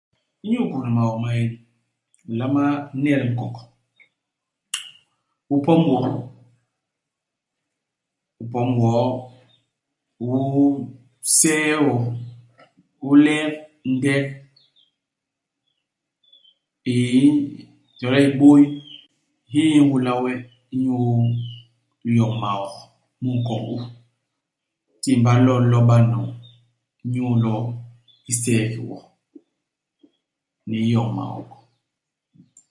Inyu ikôsna maok ma maén, u nlama net nkok. U pom wo. U pom wo. U see wo. U lek ndek i i to le hibôy hi hi nhôla we inyu iyoñ maok mu u nkok u. U ntiimba lo idilo di ba di n'noñ inyu ilo isee ki wo ni iyoñ maok.